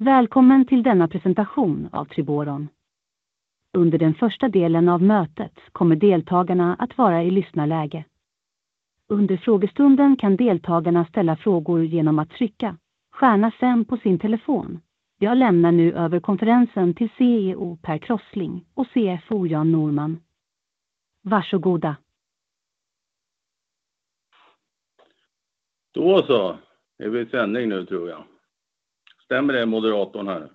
Välkommen till denna presentation av Triboron. Under den första delen av mötet kommer deltagarna att vara i lyssnarläge. Under frågestunden kan deltagarna ställa frågor igenom att trycka star 5 på sin telefon. Jag lämnar nu över konferensen till CEO Pär Krossling och CFO Jan Normann. Varsågoda. Då så. Är vi sändning nu tror jag. Stämmer det, moderatorn här?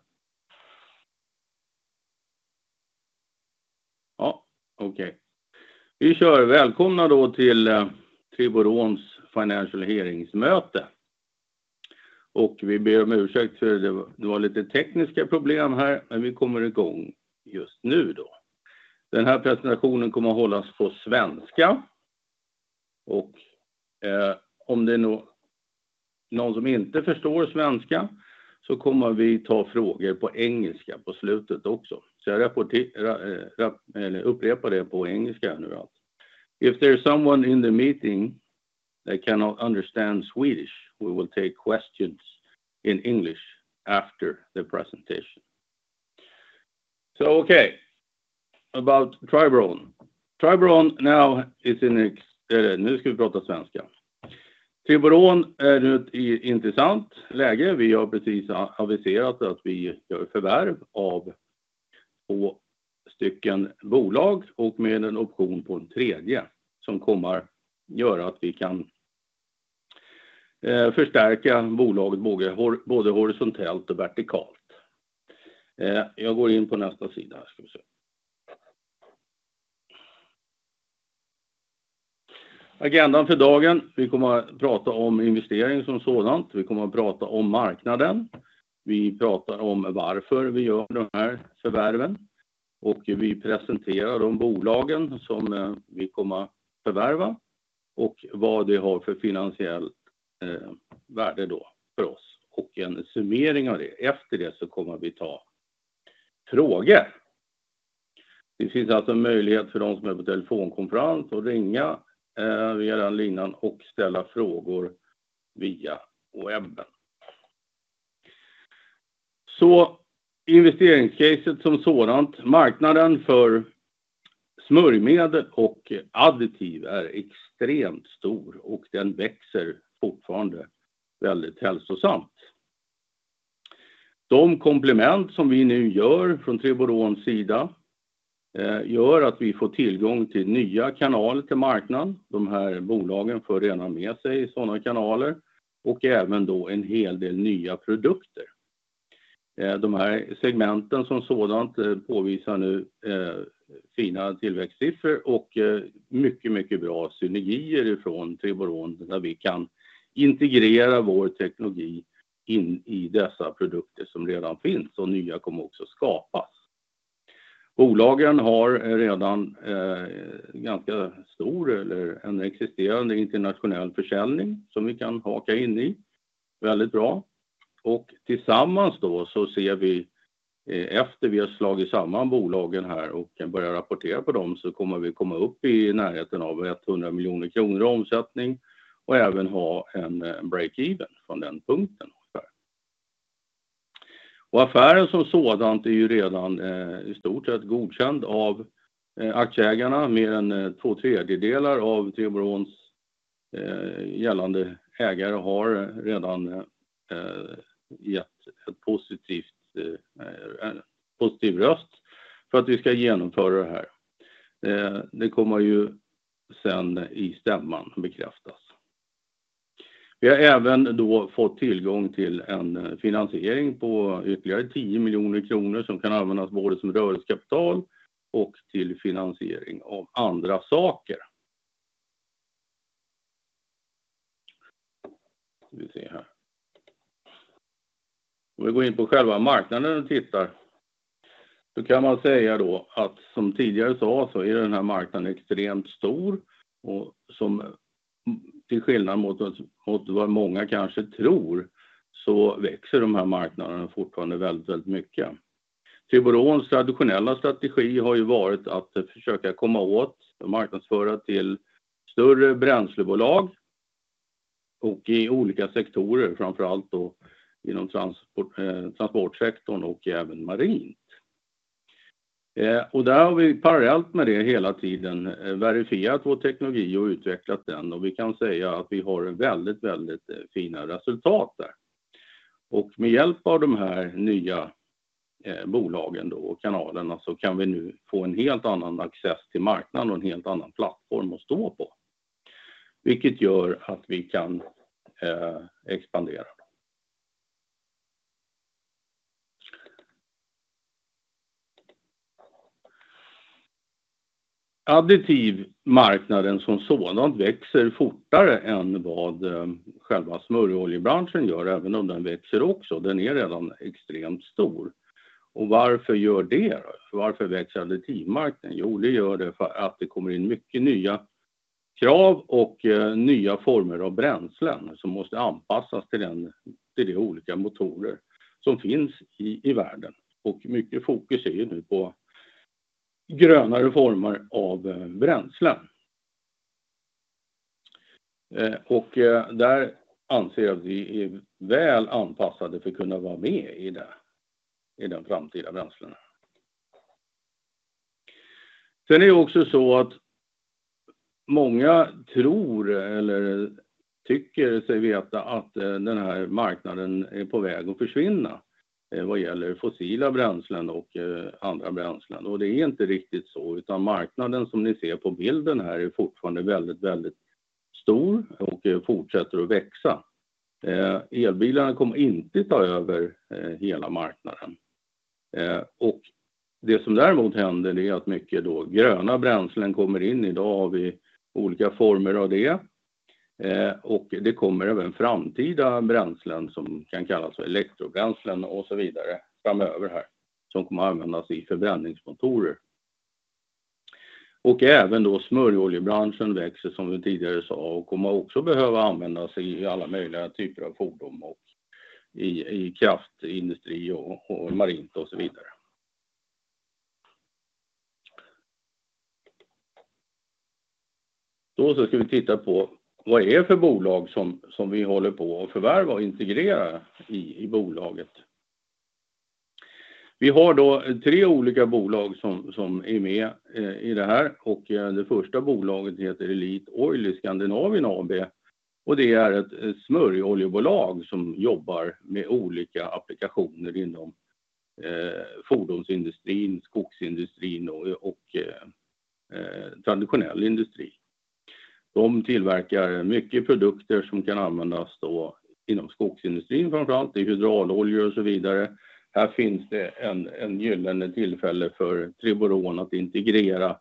Ja, okej. Vi kör. Välkomna då till Triboron's Financial Hearings möte. Vi ber om ursäkt för det var lite tekniska problem här, men vi kommer igång just nu då. Den här presentationen kommer att hållas på svenska. Om det är någon som inte förstår svenska så kommer vi ta frågor på engelska på slutet också. Jag upprepar det på engelska nu allt. If there is someone in the meeting they cannot understand Swedish, we will take questions in English after the presentation. Okej. About Triboron. Triboron now is in Nu ska vi prata svenska. Triboron är nu i intressant läge. Vi har precis aviserat att vi gör förvärv av två stycken bolag och med en option på en tredje som kommer göra att vi kan förstärka bolaget både horisontellt och vertikalt. Jag går in på nästa sida. Agendan för dagen. Vi kommer att prata om investering som sådant. Vi kommer att prata om marknaden. Vi pratar om varför vi gör de här förvärven och vi presenterar de bolagen som vi kommer förvärva och vad det har för finansiellt värde då för oss och en summering av det. Efter det kommer vi ta frågor. Det finns alltså möjlighet för de som är på telefonkonferens att ringa via den linjen och ställa frågor via webben. Investeringscaset som sådant, marknaden för smörjmedel och additiv är extremt stor och den växer fortfarande väldigt hälsosamt. De komplement som vi nu gör från Triborons sida gör att vi får tillgång till nya kanaler till marknad. De här bolagen för redan med sig sådana kanaler och även då en hel del nya produkter. De här segmenten som sådant påvisar nu fina tillväxtsiffror och mycket bra synergier ifrån Triboron där vi kan integrera vår teknologi in i dessa produkter som redan finns och nya kommer också skapas. Bolagen har redan ganska stor eller en existerande internationell försäljning som vi kan haka in i. Väldigt bra. Tillsammans då så ser vi efter vi har slagit samman bolagen här och börjat rapportera på dem så kommer vi komma upp i närheten av SEK 100 million omsättning och även ha en break even från den punkten ungefär. Affären som sådant är ju redan i stort sett godkänd av aktieägarna. Mer än 2/3 av Triborons gällande ägare har redan gett ett positiv röst för att vi ska genomföra det här. Det kommer ju sen i stämman bekräftas. Vi har även då fått tillgång till en finansiering på ytterligare SEK 10 million som kan användas både som rörelsekapital och till finansiering av andra saker. Ska vi se här. Om vi går in på själva marknaden och tittar. Då kan man säga då att som tidigare sa så är den här marknaden extremt stor och som till skillnad mot vad många kanske tror, så växer de här marknaderna fortfarande väldigt mycket. Triboron's traditionella strategi har ju varit att försöka komma åt och marknadsföra till större bränslebolag och i olika sektorer, framför allt då inom transportsektorn och även marint. Där har vi parallellt med det hela tiden verifierat vår teknologi och utvecklat den. Vi kan säga att vi har väldigt fina resultat där. Med hjälp av de här nya bolagen då och kanalerna så kan vi nu få en helt annan access till marknaden och en helt annan plattform att stå på. Vilket gör att vi kan expandera. Additivmarknaden som sådant växer fortare än vad själva smörjoljebranschen gör, även om den växer också. Den är redan extremt stor. Varför gör det? Varför växer additivmarknaden? Jo, det gör det för att det kommer in mycket nya krav och nya former av bränslen som måste anpassas till den, till de olika motorer som finns i världen. Mycket fokus är ju nu på grönare former av bränslen. Där anser jag att vi är väl anpassade för att kunna vara med i det, i de framtida bränslena. Är det också så att många tror eller tycker sig veta att den här marknaden är på väg att försvinna. Vad gäller fossila bränslen och andra bränslen. Det är inte riktigt så, utan marknaden som ni ser på bilden här är fortfarande väldigt stor och fortsätter att växa. Elbilarna kommer inte ta över hela marknaden. Det som däremot händer det är att mycket då gröna bränslen kommer in. Idag har vi olika former av det. Det kommer även framtida bränslen som kan kallas för elektrobränslen och så vidare framöver här. Som kommer användas i förbränningsmotorer. Även då smörjoljebranschen växer som vi tidigare sa och kommer också behöva användas i alla möjliga typer av fordon och i kraft, industri och marint och så vidare. Så ska vi titta på vad är det för bolag som vi håller på och förvärva och integrera i bolaget. Vi har då tre olika bolag som är med i det här och det första bolaget heter Elite Oil i Skandinavien AB. Det är ett smörjoljebolag som jobbar med olika applikationer inom fordonsindustrin, skogsindustrin och traditionell industri. De tillverkar mycket produkter som kan användas då inom skogsindustrin, framför allt. Det är hydrauloljor och så vidare. Här finns det en gyllene tillfälle för Triboron att integrera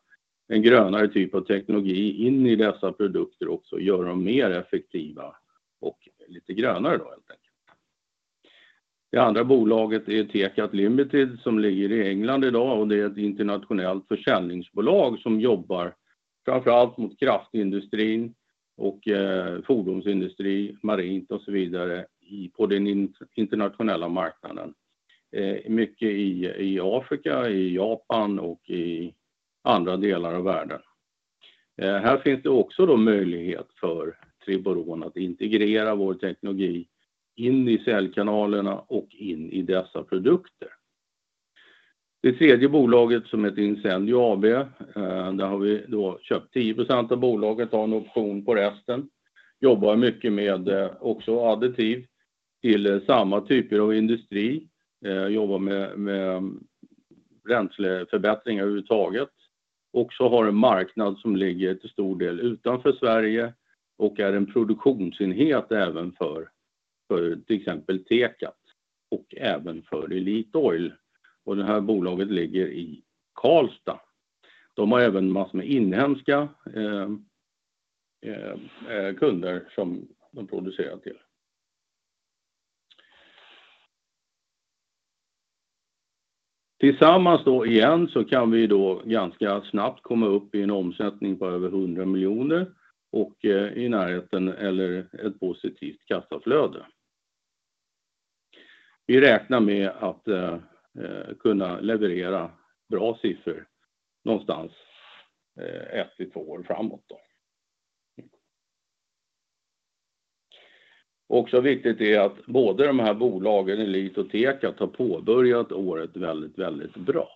en grönare typ av teknologi in i dessa produkter också, gör dem mer effektiva och lite grönare då helt enkelt. Det andra bolaget är Tekat Limited som ligger i England i dag och det är ett internationellt försäljningsbolag som jobbar framför allt mot kraftindustrin och fordonsindustri, marint och så vidare på den internationella marknaden. Mycket i Afrika, i Japan och i andra delar av världen. Här finns det också då möjlighet för Triboron att integrera vår teknologi in i säljkanalerna och in i dessa produkter. Det tredje bolaget som heter Incendio AB, där har vi då köpt 10% av bolaget, har en option på resten. Jobbar mycket med också additiv till samma typer av industri. Jobbar med bränsleförbättringar överhuvudtaget. Också har en marknad som ligger till stor del utanför Sverige och är en produktionsenhet även för till exempel Tekat och även för Elite Oil. Det här bolaget ligger i Karlstad. De har även massor med inhemska kunder som de producerar till. Tillsammans då igen kan vi då ganska snabbt komma upp i en omsättning på över SEK 100 million och i närheten eller ett positivt kassaflöde. Vi räknar med att kunna leverera bra siffror någonstans 1-2 år framåt då. Också viktigt är att både de här bolagen Elite och Tecat har påbörjat året väldigt bra.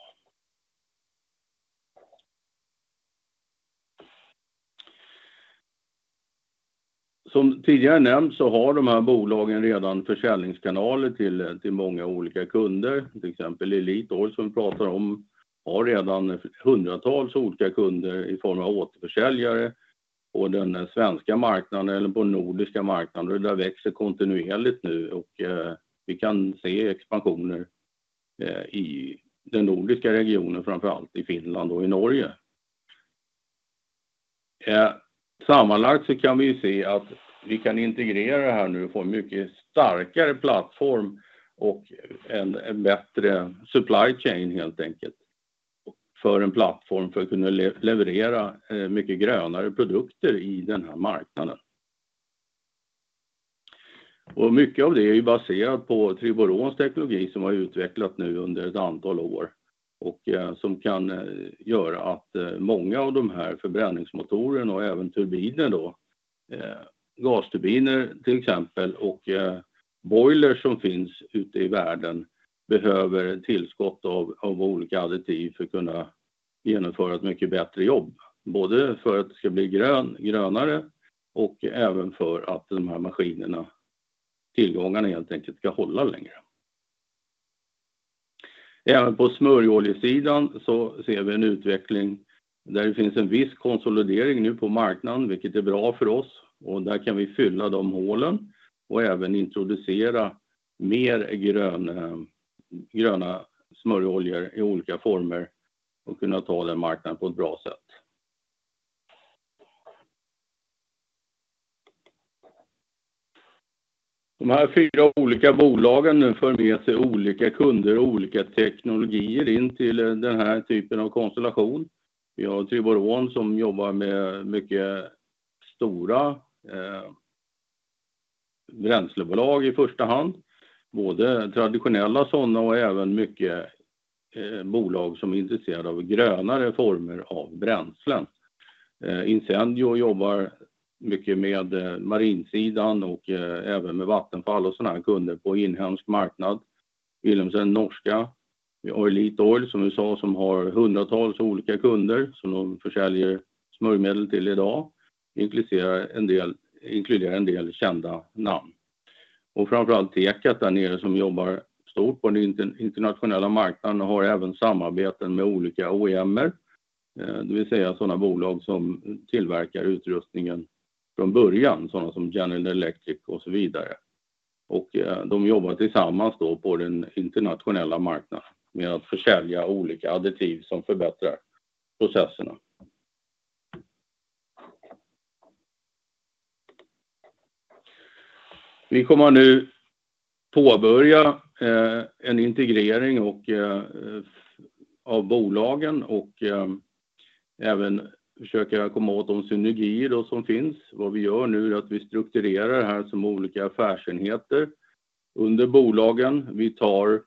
Som tidigare nämnt så har de här bolagen redan försäljningskanaler till många olika kunder. Till exempel Elite Oil som vi pratar om har redan hundratals olika kunder i form av återförsäljare på den svenska marknaden eller på nordiska marknaden. Det växer kontinuerligt nu och vi kan se expansioner i den nordiska regionen, framför allt i Finland och i Norge. Sammanlagt så kan vi se att vi kan integrera det här nu och få en mycket starkare plattform och en bättre supply chain helt enkelt. För en plattform för att kunna leverera mycket grönare produkter i den här marknaden. Mycket av det är ju baserat på Triborons teknologi som har utvecklat nu under ett antal år och som kan göra att många av de här förbränningsmotorerna och även turbiner då, gasturbiner till exempel, och boiler som finns ute i världen behöver tillskott av olika additiv för kunna genomföra ett mycket bättre jobb. Både för att det ska bli grönare och även för att de här maskinerna, tillgångarna helt enkelt ska hålla längre. Även på smörjoljesidan så ser vi en utveckling där det finns en viss konsolidering nu på marknaden, vilket är bra för oss och där kan vi fylla de hålen och även introducera mer gröna smörjoljor i olika former och kunna ta den marknaden på ett bra sätt. De här fyra olika bolagen för med sig olika kunder och olika teknologier in till den här typen av konstellation. Vi har Triboron som jobbar med mycket stora Bränslebolag i första hand, både traditionella sådana och även mycket bolag som är intresserade av grönare former av bränslen. Incendio jobbar mycket med marinsidan och även med Vattenfall och sådana här kunder på inhemsk marknad. Wilhelmsen norska. Vi har Elite Oil som vi sa som har hundratals olika kunder som de försäljer smörjmedel till idag. Inkluderar en del kända namn. Framför allt Tekat där nere som jobbar stort på den internationella marknaden och har även samarbeten med olika OEMer. Det vill säga sådana bolag som tillverkar utrustningen från början. Sådana som General Electric och så vidare. De jobbar tillsammans då på den internationella marknaden med att försälja olika additiv som förbättrar processerna. Vi kommer nu påbörja en integrering och av bolagen och även försöka komma åt de synergier då som finns. Vad vi gör nu är att vi strukturerar det här som olika affärsenheter under bolagen. Vi tar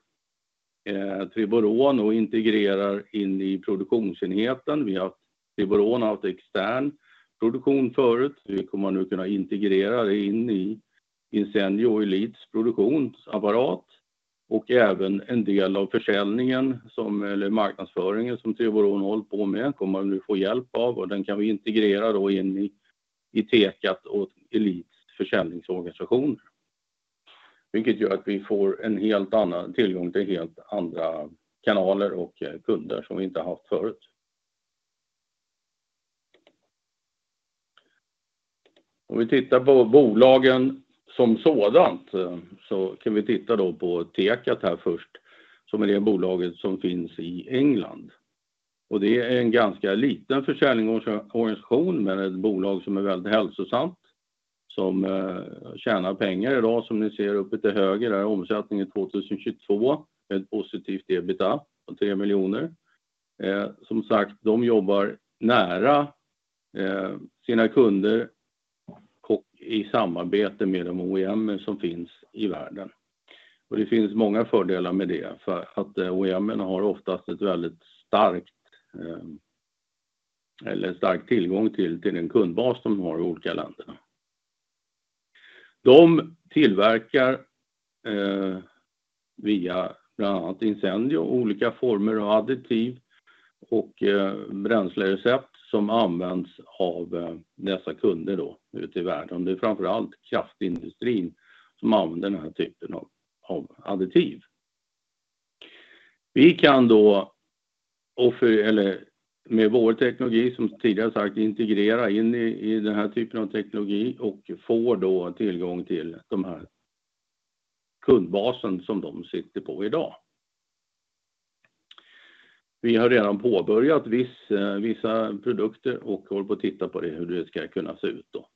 Triboron och integrerar in i produktionsenheten. Vi har Triboron haft extern produktion förut. Vi kommer nu kunna integrera det in i Incendio Elites produktionsapparat och även en del av försäljningen som, eller marknadsföringen som Triboron håller på med kommer nu få hjälp av. Den kan vi integrera då in i Tekat och Elite's försäljningsorganisation. Vilket gör att vi får en helt annan tillgång till helt andra kanaler och kunder som vi inte haft förut. Om vi tittar på bolagen som sådant så kan vi titta då på Tekat här först, som är det bolaget som finns i England. Det är en ganska liten försäljningsorganisation med ett bolag som är väldigt hälsosamt, som tjänar pengar i dag som ni ser uppe till höger. Omsättningen 2022 med ett positivt EBITDA om SEK 3 million. Som sagt, de jobbar nära sina kunder och i samarbete med de OEMer som finns i världen. Det finns många fördelar med det för att OEMen har oftast ett väldigt starkt eller stark tillgång till en kundbas som har olika länder. De tillverkar via bland annat Incendio, olika former av additiv och bränslerecept som används av dessa kunder då ute i världen. Det är framför allt kraftindustrin som använder den här typen av additiv. Vi kan då, eller med vår teknologi som tidigare sagt integrera in i den här typen av teknologi och får då tillgång till de här kundbasen som de sitter på i dag. Vi har redan påbörjat vissa produkter och håller på att titta på det hur det ska kunna se ut då.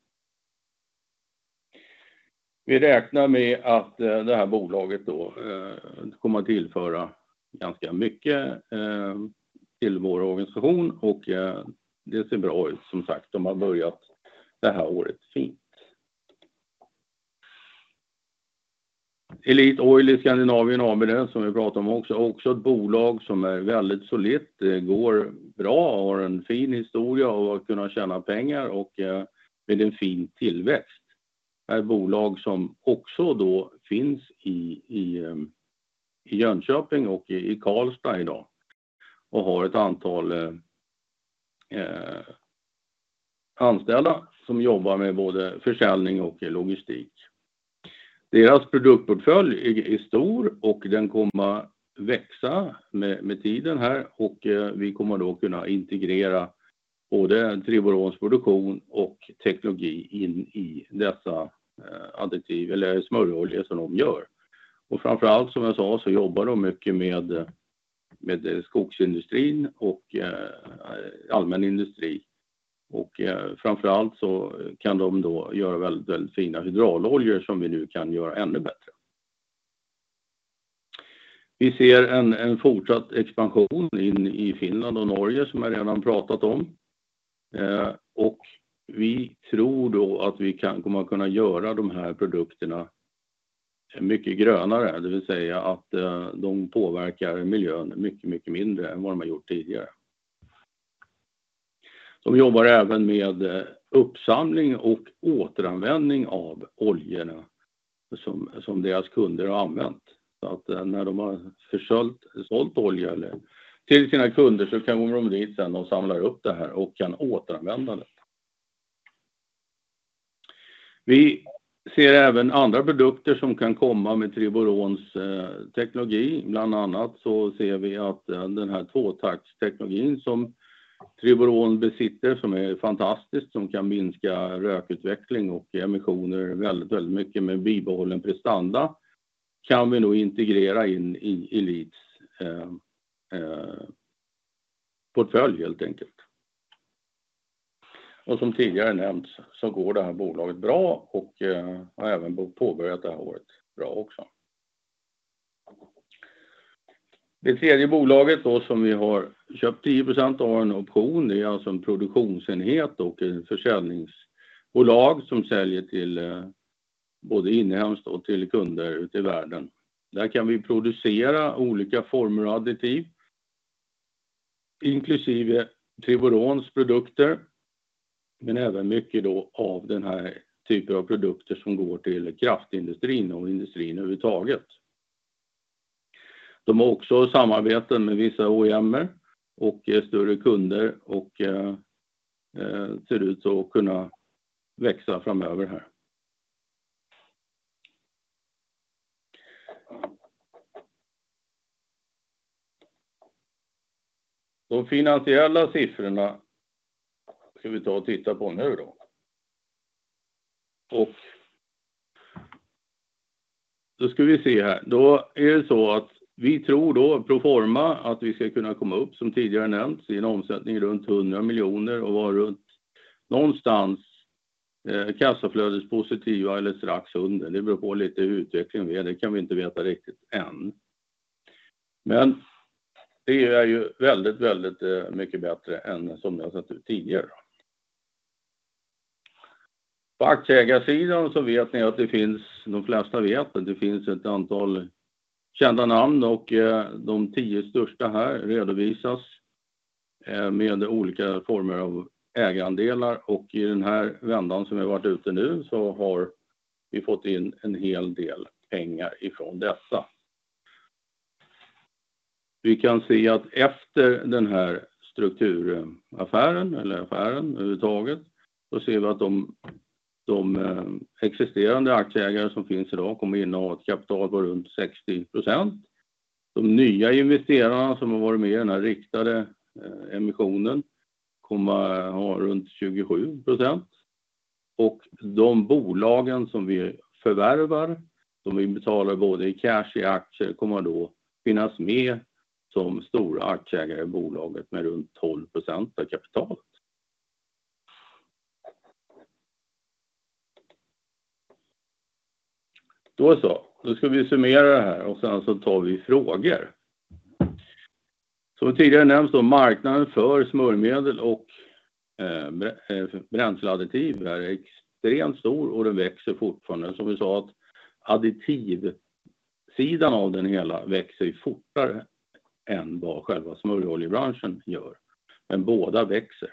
Vi räknar med att det här bolaget då kommer att tillföra ganska mycket, till vår organisation och det ser bra ut som sagt, de har börjat det här året fint. Elite Oil i Skandinavien AB. Det som vi pratar om också. Också ett bolag som är väldigt solidt. Det går bra, har en fin historia och har kunnat tjäna pengar och med en fin tillväxt. Är ett bolag som också då finns i Jönköping och i Karlstad i dag. Har ett antal, anställda som jobbar med både försäljning och logistik. Deras produktportfölj är stor och den kommer växa med tiden här och vi kommer då kunna integrera både Triborons produktion och teknologi in i dessa additiv eller smörjoljor som de gör. Framför allt som jag sa, så jobbar de mycket med skogsindustrin och allmän industri. Framför allt så kan de då göra väldigt fina hydrauloljor som vi nu kan göra ännu bättre. Vi ser en fortsatt expansion in i Finland och Norge som jag redan pratat om. Vi tror då att vi kommer kunna göra de här produkterna mycket grönare. Det vill säga att de påverkar miljön mycket mindre än vad de har gjort tidigare. De jobbar även med uppsamling och återanvändning av oljorna som deras kunder har använt. När de har sålt olja eller till sina kunder så går de dit sen och samlar upp det här och kan återanvända det. Vi ser även andra produkter som kan komma med Triborons teknologi. Bland annat så ser vi att den här tvåtakts-teknologin som Triboron besitter som är fantastiskt, som kan minska rökutveckling och emissioner väldigt mycket med bibehållen prestanda, kan vi nog integrera in i Elite's portfölj helt enkelt. Som tidigare nämnt så går det här bolaget bra och har även påbörjat det här året bra också. Det tredje bolaget då som vi har köpt 10% av en option. Det är alltså en produktionsenhet och ett försäljningsbolag som säljer till både inhems och till kunder ute i världen. Där kan vi producera olika former av additiv, inklusive Triborons produkter, men även mycket då av den här typen av produkter som går till kraftindustrin och industrin överhuvudtaget. De har också samarbeten med vissa OEM:er och större kunder och ser ut att kunna växa framöver här. De finansiella siffrorna ska vi ta och titta på nu då. Då ska vi se här. Det är så att vi tror då proforma att vi ska kunna komma upp som tidigare nämnt i en omsättning runt SEK 100 million och vara runt någonstans kassaflödespositiva eller strax under. Det beror på lite utveckling. Det kan vi inte veta riktigt än. Det är ju väldigt mycket bättre än som jag sett det tidigare. På aktieägarsidan vet ni att det finns, de flesta vet att det finns ett antal kända namn och de 10 största här redovisas med olika former av ägarandelar. I den här vändan som har varit ute nu har vi fått in en hel del pengar ifrån dessa. Vi kan se att efter den här strukturaffären eller affären överhuvudtaget, ser vi att de existerande aktieägare som finns i dag kommer inneha ett kapital på runt 60%. De nya investerarna som har varit med i den här riktade emissionen kommer ha runt 27%. De bolagen som vi förvärvar, som vi betalar både i cash och i aktier, kommer då finnas med som storaktieägare i bolaget med runt 12% av kapital. Så. Ska vi summera det här. Tar vi frågor. Som tidigare nämnt, marknaden för smörjmedel och bränsleadditiv är extremt stor och den växer fortfarande. Som vi sa att additivsidan av den hela växer fortare än vad själva smörjoljebranschen gör. Båda växer.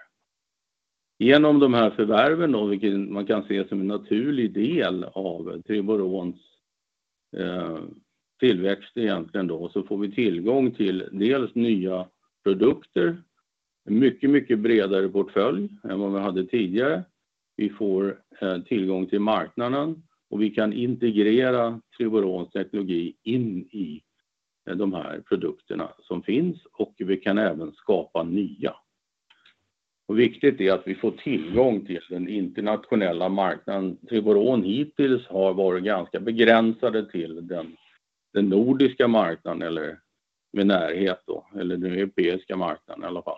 Genom de här förvärven, vilket man kan se som en naturlig del av Triborons tillväxt egentligen, får vi tillgång till dels nya produkter, mycket bredare portfölj än vad vi hade tidigare. Vi får tillgång till marknaden och vi kan integrera Triboron's teknologi in i de här produkterna som finns och vi kan även skapa nya. Viktigt är att vi får tillgång till den internationella marknaden. Triboron hittills har varit ganska begränsade till den nordiska marknaden eller med närhet då, eller den europeiska marknaden i alla fall.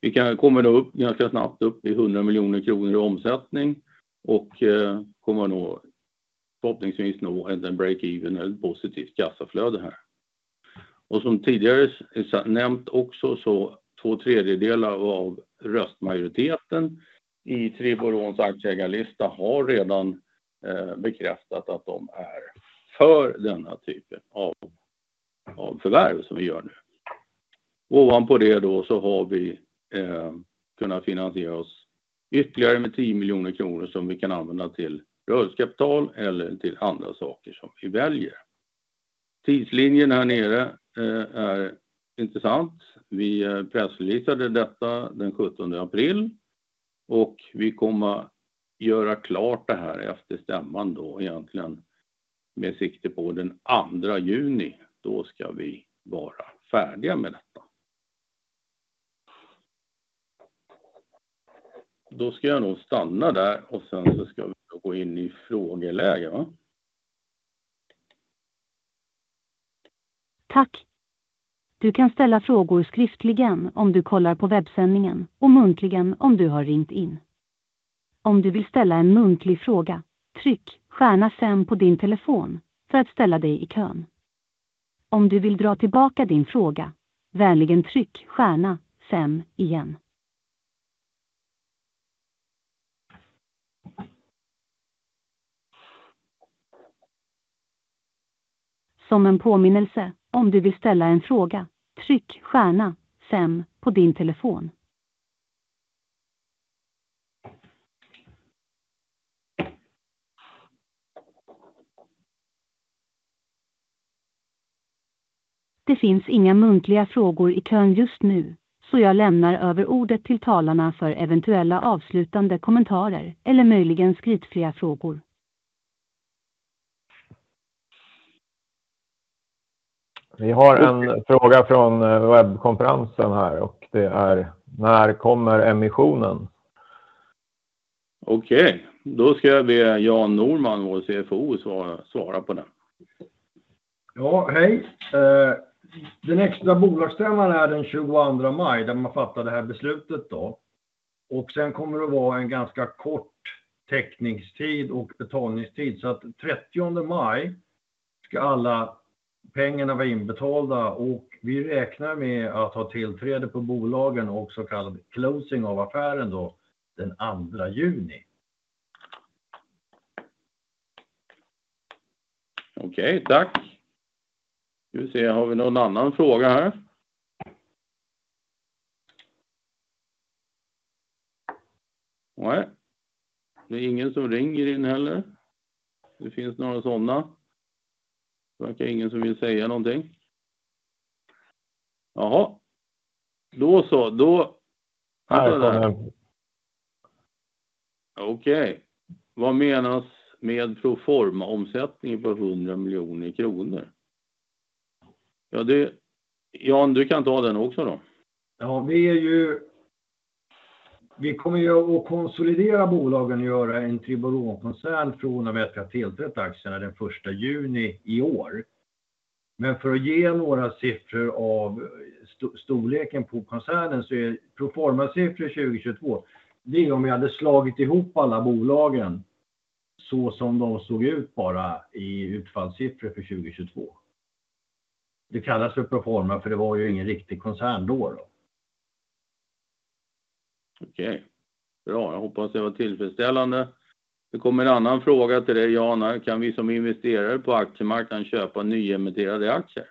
Vi kan komma upp ganska snabbt upp i SEK 100 million i omsättning och kommer nog förhoppningsvis nå en break even eller positivt kassaflöde här. Som tidigare nämnt också så two thirds av röstmajoriteten i Triboron's aktieägarlista har redan bekräftat att de är för denna typen av förvärv som vi gör nu. Ovanpå det då har vi kunnat finansiera oss ytterligare med SEK 10 million som vi kan använda till rörelsekapital eller till andra saker som vi väljer. Tidslinjen här nere är intressant. Vi pressreleasade detta den sjuttonde april och vi kommer göra klart det här efter stämman då egentligen med sikte på den andra juni. Då ska vi vara färdiga med detta. Då ska jag nog stanna där och sen så ska vi gå in i frågeläge va? Tack. Du kan ställa frågor skriftligen om du kollar på webbsändningen och muntligen om du har ringt in. Om du vill ställa en muntlig fråga, tryck stjärna fem på din telefon för att ställa dig i kön. Om du vill dra tillbaka din fråga, vänligen tryck stjärna fem igen. Som en påminnelse, om du vill ställa en fråga, tryck stjärna fem på din telefon. Det finns inga muntliga frågor i kön just nu, så jag lämnar över ordet till talarna för eventuella avslutande kommentarer eller möjligen skriftliga frågor. Vi har en fråga från webbkonferensen här och det är: När kommer emissionen? Okay, då ska jag be Jan Normann, vår CFO, svara på den. Ja, hej! Den extra bolagsstämman är den 22nd May där man fattar det här beslutet då. Sen kommer det vara en ganska kort teckningstid och betalningstid. Trettionde May ska alla pengarna vara inbetalda och vi räknar med att ha tillträde på bolagen och så kallad closing av affären då den second June. Okej, tack. Nu ska vi se. Har vi någon annan fråga här? Nej, det är ingen som ringer in heller. Det finns några sådana. Verkar ingen som vill säga någonting. Jaha, då så. Okej, vad menas med proforma-omsättningen på SEK 100 million? Ja, det, Jan, du kan ta den också då. Vi är ju, vi kommer ju att konsolidera bolagen och göra en Triboxkoncernens från och med att vi har tillträtt aktierna den första juni i år. För att ge några siffror av storleken på koncernen så är proformasiffror 2022. Det är om vi hade slagit ihop alla bolagen så som de såg ut bara i utfallssiffror för 2022. Det kallas för proforma för det var ju ingen riktig koncern då då. Okej, bra. Jag hoppas det var tillfredsställande. Det kom en annan fråga till dig, Jan. Kan vi som investerare på aktiemarknaden köpa nyemitterade aktier?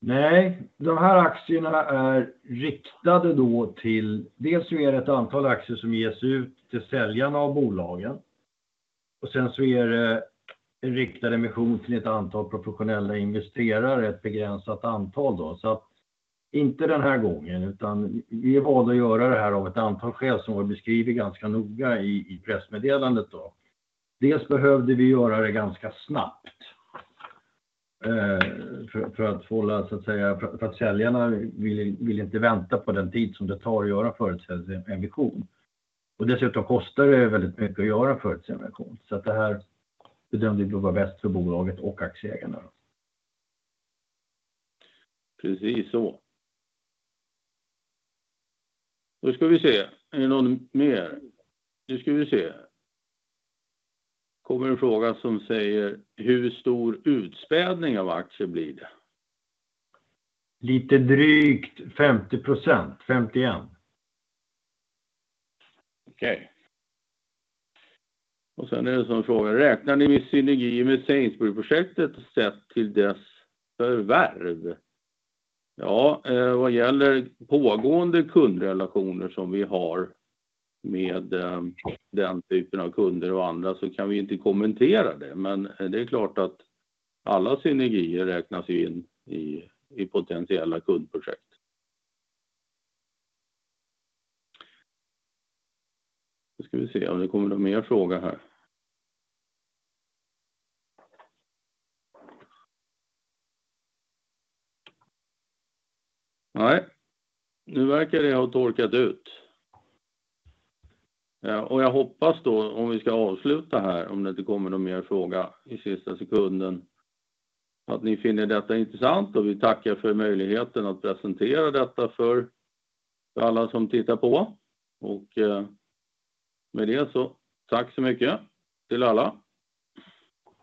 Nej, de här aktierna är riktade då till, dels så är det ett antal aktier som ges ut till säljarna av bolagen. Sen så är det en riktad emission till ett antal professionella investerare, ett begränsat antal då. Inte den här gången, utan vi valde att göra det här av ett antal skäl som var beskrivet ganska noga i pressmeddelandet då. Dels behövde vi göra det ganska snabbt, för att fålla, så att säga, för att säljarna vill inte vänta på den tid som det tar att göra en företrädesemission. Dessutom kostar det väldigt mycket att göra en företrädesemission. Det här bedömde vi vara bäst för bolaget och aktieägarna. Precis så. Ska vi se. Är det någon mer? Ska vi se. Kommer en fråga som säger: Hur stor utspädning av aktier blir det? Lite drygt 50%, 51%. Okej. Sen är det en sådan fråga: Räknar ni med synergier med Sainsbury's-projektet sett till dess förvärv? Ja, vad gäller pågående kundrelationer som vi har med den typen av kunder och andra så kan vi inte kommentera det. Det är klart att alla synergier räknas ju in i potentiella kundprojekt. Nu ska vi se om det kommer någon mer fråga här. Nej, nu verkar det ha torkat ut. Jag hoppas då om vi ska avsluta här, om det inte kommer någon mer fråga i sista sekunden, att ni finner detta intressant och vi tackar för möjligheten att presentera detta för alla som tittar på. Med det så tack så mycket till alla.